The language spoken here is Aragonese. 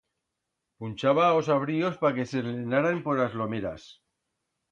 Punchaba a os abríos pa que s'eslenaran por as lomeras.